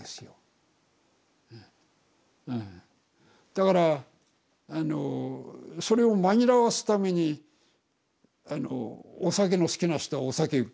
だからあのそれを紛らわすためにお酒の好きな人はお酒やっちゃうわけ。